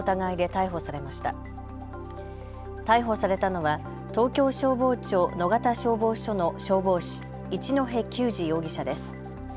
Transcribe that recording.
逮捕されたのは東京消防庁野方消防署の消防士、一戸赳児容疑者です。